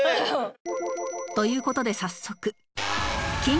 という事で早速